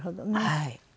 はい。